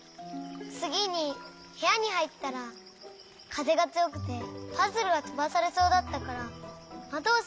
つぎにへやにはいったらかぜがつよくてパズルがとばされそうだったからまどをしめようとしたの。